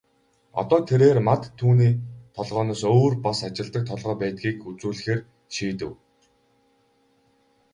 Одоо тэрээр Мад түүний толгойноос өөр бас ажилладаг толгой байдгийг үзүүлэхээр шийдэв.